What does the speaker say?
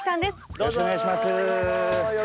よろしくお願いします。